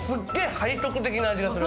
背徳的な味がする。